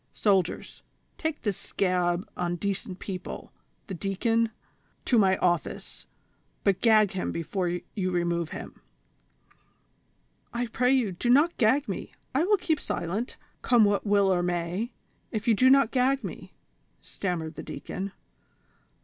Soldiers, take this scab on decent people — the deacon (V) — to my office, but gag him before you remove him "— "I pray you, do not gag me ; I will keep silent, come what will or may, if you do not gag me," stammered the deacon.